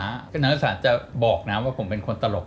นักศึกษาจะบอกนะว่าผมเป็นคนตลก